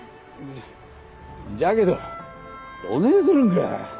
じゃじゃけどどねぇするんか。